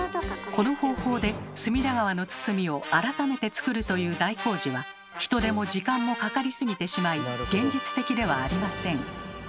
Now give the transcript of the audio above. この方法で隅田川の堤を改めて造るという大工事は人手も時間もかかりすぎてしまい現実的ではありません。